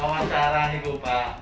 bawa cara ibu pak